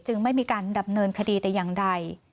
ไม่มีการดำเนินคดีแต่อย่างใด